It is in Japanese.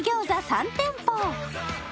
３店舗。